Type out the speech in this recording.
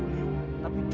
baik saya ber definitif